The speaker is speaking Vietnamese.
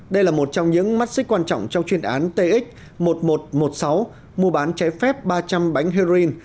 đây là một trong những mắt xích quan trọng trong chuyên án tx một nghìn một trăm một mươi sáu mua bán trái phép ba trăm linh bánh heroin